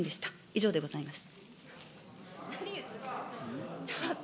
以上でございます。